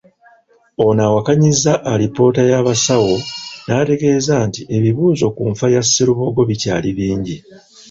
Ono awakanyizza alipoota y’abasawo n’ategeeza nti ebibuuzo ku nfa ya Sserubogo bikyali bingi.